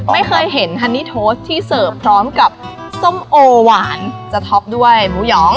ไม่เคยเห็นฮันนี่โทสที่เสิร์ฟพร้อมกับส้มโอหวานจะท็อปด้วยหมูหยอง